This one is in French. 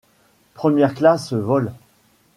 Première classe vol.